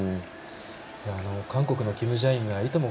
韓国のキム・ジャインがいとも